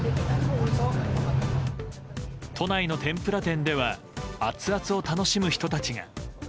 都内の天ぷら店ではアツアツを楽しむ人たちが。